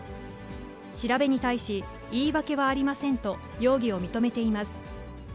調べに対し、言い訳はありませんと、容疑を認めています。